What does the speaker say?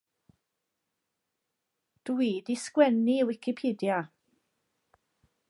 Dw i 'di sgwennu i Wicipedia.